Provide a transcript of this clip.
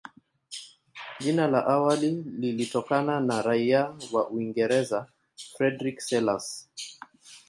Jina la awali lilitokana na raia wa Uingereza Frederick Selous